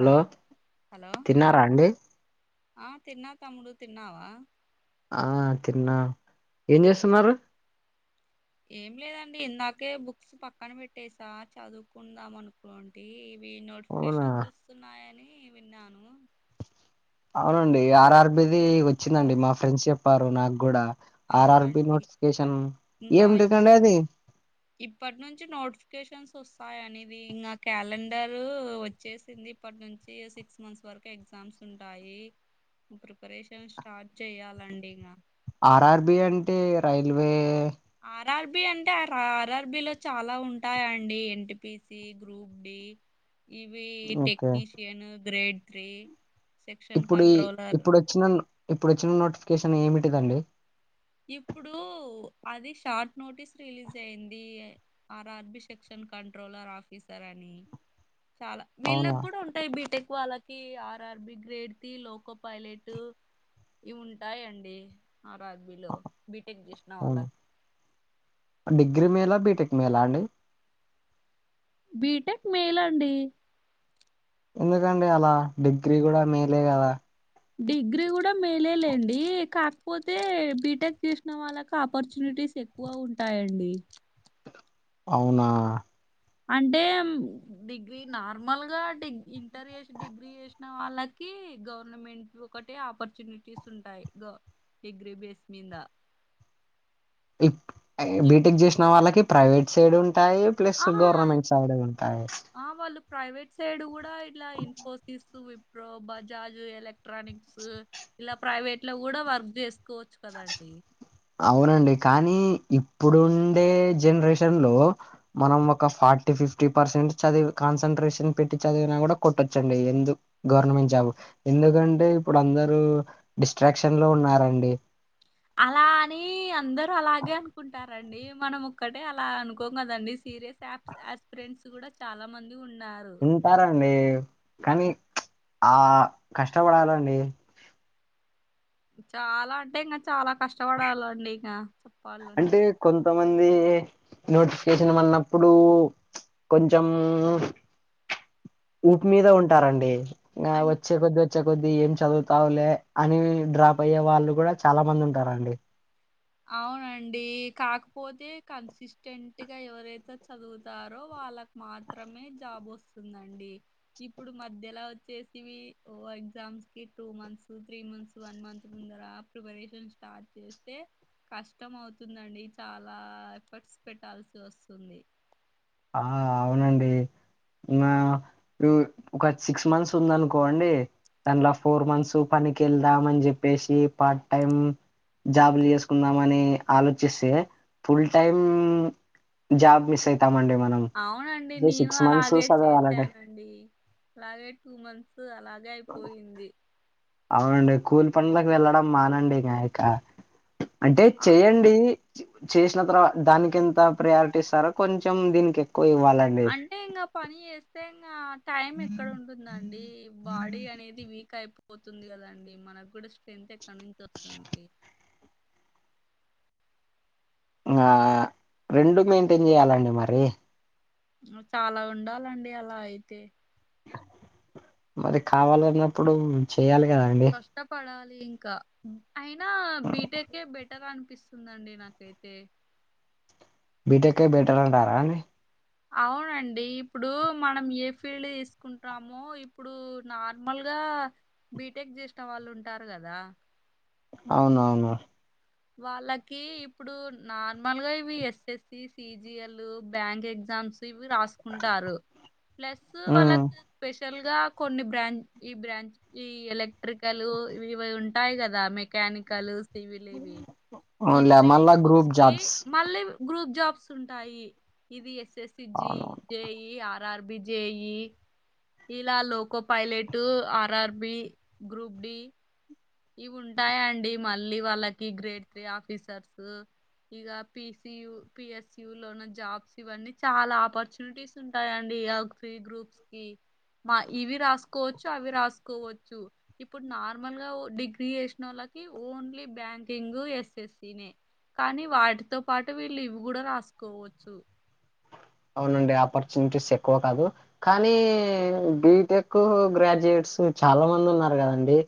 Hello hello తిన్నారా అండి ఆ తిన్నాం తమ్ముడు తిన్నావా ఆ తిన్న ఏం చేస్తున్నారు ఏం లేదండి ఇందాకే బుక్స్ పక్కన పెట్టసా చదువుకుందాం అను వంటి ఇవి అవునా నోటిఫికేషన్స్ వస్తున్నాయని విన్నాను అవునండి ఆర్ఆర్బి ది అయితే వచ్చిందండి ఇంకా- మా ఫ్రెండ్స్ చెప్పారు నాకు కూడా ఆర్ఆర్బి అవునండి నోటిఫికేషన్ ఏమిటి అదండీ అది ఇప్పటినుంచి నోటిఫికేషన్స్ వస్తాయి అనేది ఇంకా క్యాలెండర్ వచ్చేసింది ఇప్పటినుంచి ఏ సిక్స్ మంత్స్ వరకు ఎగ్జామ్స్ ఉంటాయి ప్రిపరేషన్ స్టార్ట్ చెయాలండి ఇకా ఆర్ఆర్బి అంటే రైల్వే ఆర్ఆర్బి అంటే ఆర్ఆర్బి లో చాలా ఉంటాయండి ఎన్టీపిసి గ్రూప్ డి ఇవి okay technician grade three section ఇప్పుడు కంట్రోలర్ ఇప్పుడు వచ్చిన ఇప్పుడు వచ్చిన నోటిఫికేషన్ ఏమిటి దండి ఇప్పుడు అది షార్ట్ నోటీస్ రిలీజ్ అయింది ఆర్ఆర్బి సెక్షన్ కంట్రోలర్ ఆఫీసర్ అని చాలా అవునా వీళ్లకు కూడా ఉంటాయి బీటెక్ వాళ్ళకి RRB grade three loco pilot ఇవు ఉంటాయండి ఆర్ఆర్బీలో బీటెక్ చేస్ అవును డిగ్రీ మేలా బీటెక్ మేలా అండి బీటెక్ మెయిల్ అండి ఎందుకండీ అలా డిగ్రీ కూడా మేలే కదా డిగ్రీ కూడా మేలేలేండి కాకపోతే బీటెక్ చేసిన వాళ్ళకు ఆపర్చునిటీస్ ఎక్ వగా ఉంటాయండి అవునా అంటే డిగ్రీ నార్మల్ గా డిగ ఇంటర్ చేసి డిగ్ గ్రీ చేసిన వాళ్ళకి గవర్నమెంట్ ఒకటే ఆపర్చునిటీస్ ఉంటాయి గ డిగ్రీ బేస్ మీద ఇప్ బీటెక్ చేసిన వాళ్ళకి ప్రైవేట్ సైడ్ ఉంటాయి ప్లస్ ఆ గవర్నమెంట్ సైడ్ ఉంటాయి ఆ వాళ్ళు ప్రైవేట్ సైడ్ కూడా ఇలా ఇన్ఫోసిస్ విప్రో బజాజ్ ఎల ఎలక్ట్రానిక్స్ ఇలా ప్రైవేట్ లో కూడా వర్క్ చేసుకోవచ్చు కదండి అవునండి కానీ ఇప్పుడుండే జనరేషన్ లో మనం ఒక ఫార్టీ ఫిఫ్టీ పర్సెంట్ చది కాన్సన్ట్రేషన్ పెట్టి చదివినా కూడా కొట్టొచ్చండి ఎందు గవర్నమెంట్ జాబు ఎందుకంటే ఇప్పుడు అందరూ డిస్ట్రాక్షన్ లో ఉన్నారండి అలా అని కి అందరు అలాగే అనుకుంటారండి మనం ఒక్కటే అలా అనుకోం కదండి సీరియస్ యాప్స్ కి యాస్ ఫ్రెండ్స్ కూడా చాలా మంది ఉన్నారు ఉంటారండి కానీ ప్చ్ ఆ కష్టపడాలండి చాలా అంటే ఇంకా చాలా కష్టపడాలండి ఇంకా అంటే కొంతమంది నోటిఫికేషన్ అన్నప్పుడు కొంచెం ఊపు మీద ఉంటారండి ఆ అన్ వచ్చే కొద్దీ వచ్చే కొద్దీ ఏం చదువుతాలే అని డ్రాప్ అయ్యే వాళ్ళు కూడా చాలా మంది ఉంటారండి అవునండి కాకపోతే కన్సిస్టెంట్గా ఎవరైతే చదువుతారో వాళ్ళ మాత్రమే జాబ్ వస్తుందండి ఇప్పుడు మధ్యలో వచ్చేసి ఓ ఎగ్జామ్స్ కి two months three months one month ముందర ప్రిపరేషన్ స్టార్ట్ చేస్తే కష్టం అవుతుందండి చాలా ఎఫర్ట్స్ పెట్టాల్సి వస్తుంది ఆ అవునండి మా హ్మ్ ఒక సిక్స్ మంత్స్ ఉందనుకోండి దానిలో ఫోర్ మంత్స్ పనికి వెళ్దామని చెప్పేసి పార్ట్ టైం జాబులు చేసుకుందామని ఆలోచిస్తే ఫుల్ టైమ్ జాబ్ మిస్ అయితా మండి మనం అవునండి నేను సిక్స్ మంత్స్ అలాగే చదవాలండి చేశానం అండి అలాగే టూ మంత్స్ అలాగే అయిపోయింది అవునండి కూలి పన్లకు వెళ్ళడం మానండి ఇకా ఇక అంటే ఆ చెయ్యండి చేసిన తర్వాత దానికి ఎంత ప్రయారిటీ ఇస్తారో కొంచెం దీనికి ఎక్కువ ఇవ్వాలండి అంటే ఇంకా పని చేస్తే ఇంకా టైం ఎక్కడ ఉంటుందండి బాడీ అనేది వీక్ అయిపోతుంది కదండి మనకు కూడా స్ట్రెంత్ ఎక్కడ నుంచి వస్తుందండి ఇగ రెండు మెయింటైన్ చేయాలండి మరి చాలా ఉండాలండి అలా అయితే మరి కావాలన్నప్పుడు చేయాలి కదండి కష్టపడాలి ఇంకా అయినా బీటెకే బెటర్ అనిపిస్తుందండి నాకు అయితే బీటెక్కే బెటరంటారా అని అవునండి ఇప్పుడు మనం ఏ ఫీల్డ్ తీసుకుంటామో ఇప్పుడు నార్మల్గా బీటెక్ చేసిన వాళ్ళు ఉంటారు కదా అవునవును వాళ్ళకి ఇప్పుడు నార్మల్గా ఇవి ఎస్ఎస్సి సిజిఎల్ బ్యాంక్ ఎగ్జామ్స్ ఇవి రాసుకుంటారు ప్లస్ ఉమ్ వాళ్ళకు స్పెషల్ గా కొన్ని బ్రాంచ్ ఈ బ్రాంచ్ ఈ ఎలక్ట్రికల్ ఇవి ఉంటాయి కదా మెకానికల్ సివిల్ ఇవి ఈ అవునులే త్రీ మళ్ళా గ్రూప్స్ గ్రూప్ కి జాబ్స్ మళ్ళీ గ్రూప్ జాబ్స్ ఉంటాయి ఇది ఎస్ఎస్ జి అవునవును జేఈ ఆర్ అర్ అర్బిజేయి ఇలా loco pilot RRB group D ఇవి ఉంటాయాండి మళ్ళీ వాళ్ళకి గ్రేడ్ త్రీ ఆఫీసర్స్ ఇగ పిసి లు పిఎస్సి లోను జాబ్స్ ఇవన్నీ చాలా ఆపర్చునిటీస్ ఉంటాయండి ఫ్రీ గ్రూప్స్ కి మా ఇవి రాసుకోవచ్చు అవి రాసుకోవచ్చు ఇప్పుడు నార్మల్ గా డిగ్రీ చేసినోళ్ళకి ఓన్లీ బ్యాంకింగ్ ఎస్ఎస్సినే కానీ వాటితో పాటు వీళ్ళు ఇవి కూడా రాసుకోవచ్చు అవునండి ఆపర్చునిటీస్ ఎక్కువ కాదు కానీ బిటెక్ గ్రాడ్యుయేట్స్ చాలా మంది ఉన్నారు కదండి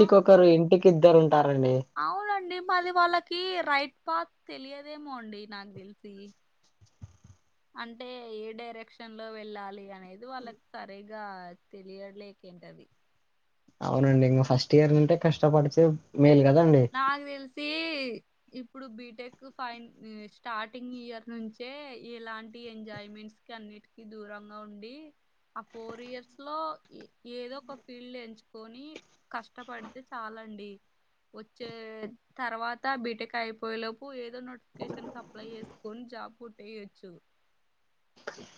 అవును ఇంటికిద్దరు ఉంటారండి అవునండి మరి వాళ్ళకి రైట్ పాత్ తెలియదేమో అండి నాకుతెల్ సి అంటే ఏ డైరెక్షన్ లో వెళ్ళాలి అని లేదు వాళ్ళకి సరిగా తెలియలేకేంటది అవునండి ఇంగ ఫస్ట్ ఇయర్ నుంటే కష్టపడితేే మేల్ కదండి నాకు తెలిసి ఇప్పుడు బీటెక్ ఫైన్ స్టార్టింగ్ ఇయర్ నుంచే ఇలాంటి ఎంజాయ్మెంట్స్ కన్నిటికీ దూరంగా ఉండి ఆ ఫోర్ ఇయర్స్ లో ఏదో ఒక ఫీల్డ్ ఎంచుకొని కష్టపడితే చాలండి వచ్చే తర్వాత బీటెక్ అయిపోయేలోపు ఏదన్నోట్ కేషన్ కప్లై చేసుకొని జాబ్ పుట్టేయొచ్చు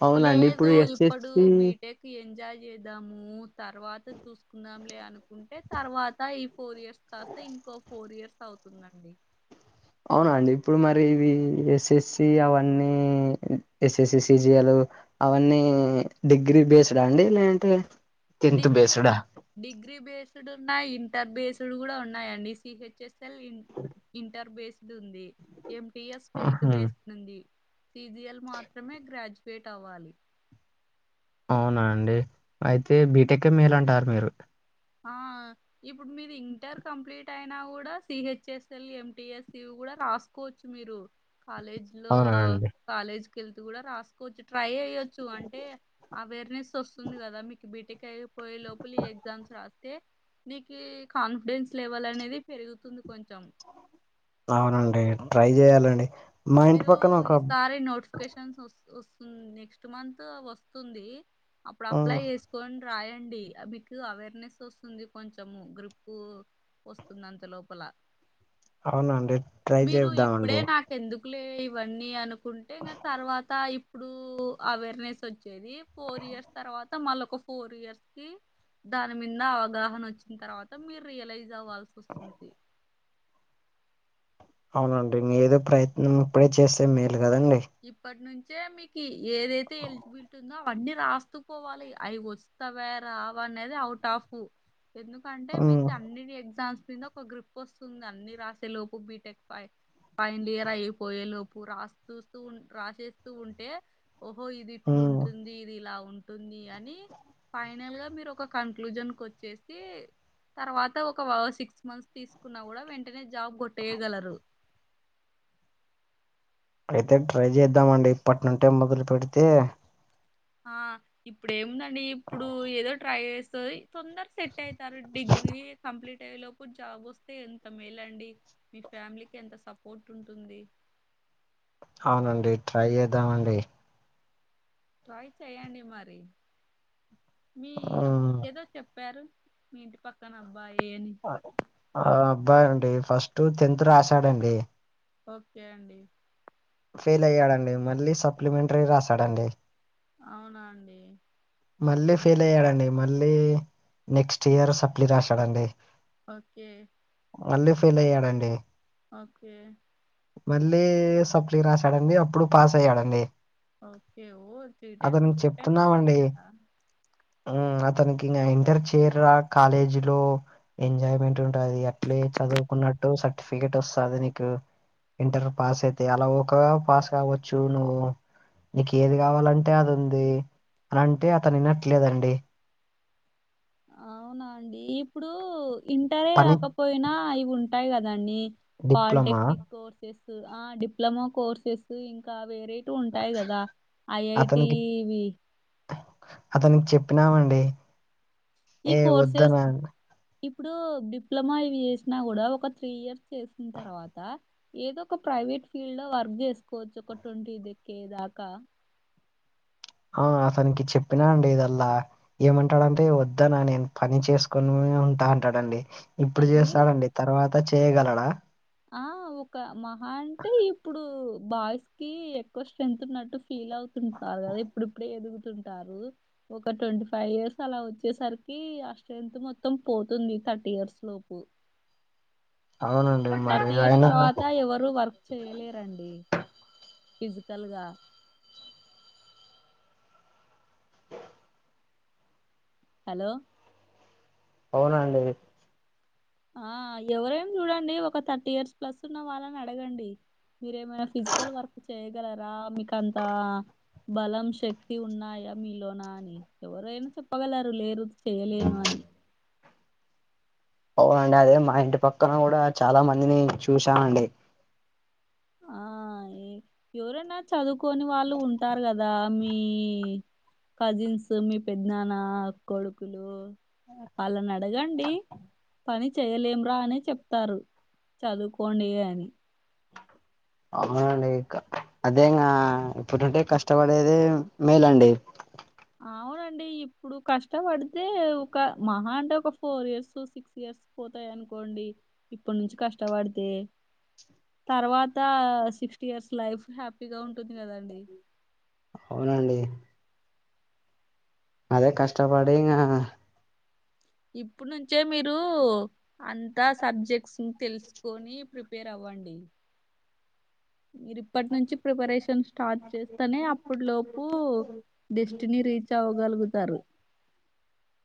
అవునండి లేదు ఇప్పుడు ఇప్పడు ఎస్ఎస్సి బీటెక్ ఎంజాయ్ చేద్దాము తర్వాత చూసుకుందాంలే అనుకుంటే తర్వాత ఇప్ ఫోర్ ఇయర్స్ కాస్త ఇంకో ఫోర్ ఇయర్స్ అవుతుందండి అవున అండి ఇప్పుడు మరి ఇవి ఎస్ఎస్సి అవన్నీ ఎస్ఎస్సి సిజియాలు అవన్నీ డిగ్రీ బేస్డా అండి లేదంటే టెన్త్ డిగ్రీ బేస్డా డిగ్రీ బేస్డ్ ఉన్నాయి ఇంటర్ బేస్డ్ కూడా ఉన్నాయండి సిహెచ్ఎస్ఎల్ ఇంటర్ బేస్డ్ ఉంది ఎంటిఎస్ టెన్త్ ఆహా బేస్డ్ ఉంది సిజిఎల్ మాత్రమే గ్రాడ్యుయేట్ అవ్వాలి అవునా అండి అయితే బీటెక్ మేలు అంటారు మీరు ఆ ఇప్పుడు మీరు ఇంటర్ కంప్లీట్ అయినా కూడా సిహెచ్ఎస్ఎల్ ఎంటిఎస్యు కూడా రాస్ కోచ్చు మీరు కాలేజీ లో అవునా అండి కాలేక్ కేళ్తు కూడా రాసుకోవచ్చు ట్రై అ కియొచ్చు అంటే అవేర్నెస్ వస్తుంది కదా మీకు బీటెక్ అయిపోయే లోపల ఈ ఎగ్జామ్స్ రాస్ తె నీకు ఈ కాన్ఫిడెన్స్ లెవెల్ అనేది పెరుగుతుంది కొంచెం అవునండి ట్రై చేయాలండి మా ఇంటి మీరు పక్కన ఒక ఈసారి నోట్స్ నోటిఫికేషన్ వ వస్ నెక్స్ట్ మంత్ అవి వస్తుంది అప్పుడు ఉమ్, అప్లై చే కొని రాయండి మీకు అవేర్నెస్ వస్తుంది కొంచము గ్రూప్ వస్తుంది అంత లోపల అవునండి ట్రై మీరు ఇప్పుడే చేద్దామండి నాకు ఎందుకు లే ఇవన్నీ అనుకుంటే ఇంగా తర్వాత ఇప్ ఇప్పుడు అవేర్నెస్ వచ్చేది ఫోర్ ఇయర్స్ తర్వాత మళ్ళ ఒక ఫోర్ ఇయర్స్ కి దాని మీద అవగాహన వచ్చిన తర్వాత మీరు రియలైజ్ అవ్వాల్సి వస్తుంది, అవునండి మీదేదో ప్రయత్నం ఇప్పుడే చేస్తే మేలు కదండి ఇప్పటి నుంచే మీకు ఏదైతే ఎజిబిలిటీ అన్నీ రాస్తుపొవాలి అవి వస్తావ రావ అనేది అవుట్ ఆఫ్ ఎందుకు, అంటే ఉమ్, మీకు అన్ని ఎగ్జామ్స్ కింద ఒక గ్రిూప్ వస్తుంది అన్ని రాసే లోపు బీటెక్ ఫైవ్ ఫైనాలిఇయర్ అయిపోయే లోపు రాస్తూ స్తు రాసేస్తూ ఉంటే ఓహో ఇది ఇట్లు ఉమ్, ఉంటుంది, ఇది ఇలా ఉంటుంది అని ఫైనల్ గా మీరు ఒక కన్క్లూజన్ కీ వచ్చేసి తర్వాత ఒక సిక్స్ మంత్స్ తీసుకున్నా కూడా వెంటనే జాబ్ కొట్టేయగలరు, అయితే ట్రై చేద్దాం అండి ఇప్పటి నుంటే మొదలు పెడితే ఆ ఇప్పుడు ఏముందండి ఇప్పుడు ఏదో ట్రై చేస్తాది, తొందర సెట్ అయితారు డిగ్రీ కంప్లీట్ అయ్యే లోప్పు జాబ్ వస్తు తే ఎంత మేలండి మీ ఫ్యామిలీకి ఎంత సపోర్ట్ ఉంటుంది, అవునండి ట్రై చేద్దామండి, ట్రై చెయండి మరి మీ మ్మ్. ఏదో చెప్పారు మీ ఇంటి పక్కన అబ్బాయి అని ఆ అబ్బాయి అండి ఫస్ట్ టెన్త్ రాశాడండి, ఓకే అండి ఫెయిల్ అయ్యాడండి మళ్ళీ సప్లిమెంటరీ రాసాడండి, అవునా అండి మళ్ళీ ఫెయిల్ అయ్యాడండి మళ్ళీ నెక్స్ట్ ఇయర్ సప్లై రాశాడండి ఓకే మళ్ళీ ఫెల్ అయ్యాడండి ఓకే మళ్ళీ సప్లీ రాశాడండి అప్పుడు పాస్ అయ్యాడండి, ఓకే ఓ త్రీ టైమ్స్ అతనికి ఫోర్ టైమ్స్ చెప్తున్నామండి రాశాడా, అతనికి ఇంకా ఇంటర్ చేరాక కాలేజ్ లో ఎంజాయ్మెంట్ ఉంటది అట్లే చదువుకున్నట్టు సర్టిఫికెట్ వస్తాది నీకు ఇంటర్ పాస్ అయితే అలా ఒక పాస్ కావచ్చు నువ్వు నీకు ఏది కావాలంటే అది ఉంది అనింటే అతను వినట్లేదండి, అవునా అండి ఇప్పుడు ఇంటరే పని కాకపోయినా ఇవి ఉంటాయి కదండి డిప్లొమా పాలిటెక్నిక్ కోర్సెస్ ఆ డిప్లొమా కోర్సెస్ ఇంకా ఆ వేరే ఉంటాయి కదా అతనికి ఐఐటీవి అతనికి చెప్పినామండి ఇ ఏ కోర్సెస్ వద్దనా ఇప్పుడు డిప్లొమా ఇవి చేసినా కూడా ఒక త్రీ ఇయర్స్ చేసిన తర్వాత ఏదో ఒక ప్రైవేట్ ఫీల్డ్ లో వర్క్ చేసుకోవచ్చు ఒక ట్వంటీ దక్కే దాకా ఆ అతనికి చెప్పినా అండి ఇదల్లా ఏమంటాడంటే వద్దనా నేను పని చేసుకొనే ఉంటా అంటాడండి ఇప్పుడు ఎన్ని రోజులు చేస్తాడండి తర్వాత చేయగలడా ఆ ఒక మహా అంటే ఇప్పుడు బాయ్స్ కి ఎక్కువ స్ట్రెంత్ ఉన్నట్టు ఫీల్ అవుతుంటారు కదా ఇప్పుడు ఇప్పుడే ఎదుగుతుంటారు ఒక ట్వంటీ ఫైవ్ ఇయర్స్ అలా వచ్చేసరికి ఆ స్ట్రెంత్ మొత్తం పోతుంది థర్టీ ఇయర్స్ లోపు అవునండి మరి థర్టీ ఇయర్స్ ఆయన తర్వాత ఎవరు వర్క్ చేయలేరండి ఫిజికల్గా హలో అవునండి ఆ ఎవరేం చూడండి ఒక థర్టీ ఇయర్స్ ప్లస్ ఉన్న వాళ్ళని అడగండి మీరేమైనా ఫిజికల్ వర్క్ చేయ్యగలరా మీకు అంతా బలం శక్తి ఉన్నాయా మీలోన అని ఎవరైనా చెప్పగలరు లేరు చేయలేను అని అవునండి అదే మా ఇంటి పక్కన కూడా చాలా మందిని చూశానండి ఆ ఎవరన్న చదువుకొని వాళ్ళు ఉంటారు కదా మీ కజిన్స్ మీ పెద్దనాన్న కొడుకులు వాళ్ళని అడగండి పని చేయలేం రా అని చెప్తారు చదువుకోండి అని అవునండి ఇక అదేంగా ఇప్పుడుంటే కష్టపడేది మేలండి అవునండి ఇప్పుడు కష్టపడితే ఒక మహా అంటే ఒక ఫోర్ ఇయర్స్ సిక్స్ ఇయర్స్ పోతాయి అనుకోండి ఇప్పటి నుంచి కష్టపడితే తర్వాత సిక్స్టీ ఇయర్స్ లైఫ్ హ్యాపీగా ఉంటుంది కదండి అవునండి అదే కష్టపడి ఇంకా ఇప్పుడు నుంచే మీరు అంతా సబ్జెక్ట్స్ తెలుసుకొని ప్రిపేర్ అవ్వండి మీరు ఇప్పటి నుంచి ప్రిపరేషన్ స్టార్ట్ చేస్తేనే అప్పటి లోపు డెస్టినీ రీచ్ అవ్వగలుగుతారు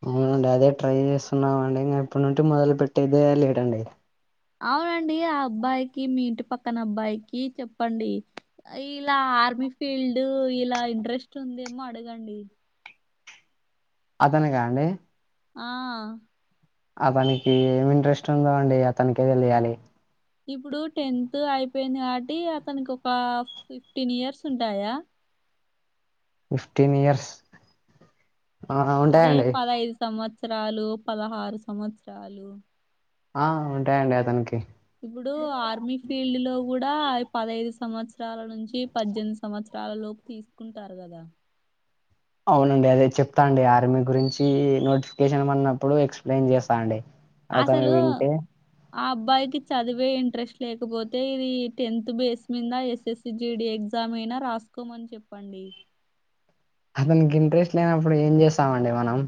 అవునండి అదే ట్రై చేస్తున్నాం అండి ఇంక ఇప్పటి నుండి మొదలు పెట్టేదే లేట్ అండి అవునండి ఆ అబ్బాయికి మీ ఇంటి పక్కన అబ్బాయికి చెప్పండి ఇలా ఆర్మీ ఫీల్డ్ ఇలా ఇంట్రెస్ట్ ఉందేమో అడగండి అతనికా అండి ఆ అతనికి ఏమి ఇంట్రెస్ట్ ఉందో అండి అతనికే తెలియాలి ఇప్పుడు టెన్త్ అయిపోయింది కాబట్టి అతనికి ఒక ఫిఫ్టీన్ ఇయర్స్ ఉంటాయా ఫిఫ్టీన్ ఇయర్స్ ఆ అదే ఉంటాయండి పదైదు సంవత్సరాలు పదహారు సంవత్సరాలు ఆ ఉంటాయండి అతనికి ఇప్పుడు ఆర్మీ ఫీల్డ్ లో కూడా పదైదు సంవత్సరాల నుంచి పద్దెనిమిది సంవత్సరాల లోపు తీసుకుంటారు కదా అవునండి అదే చెప్తా అండి ఆర్మీ గురించి నోటిఫికేషన్ పడినప్పుడు ఎక్స్ప్లెయిన్ చేస్తా అండి అతను అసలు వింటే ఆ అబ్బాయికి చదువే ఇంట్రెస్ట్ లేకపోతే ఇది టెన్త్ బేస్ మీద ఎస్ఎస్ సిజిడి ఎగ్జామ్ అయినా రాసుకోమని చెప్పండి అతనికి ఇంట్రెస్ట్ లేనప్పుడు ఏం చేస్తామండి మనం